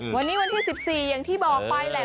วันนี้วันที่๑๔อย่างที่บอกไปแหละ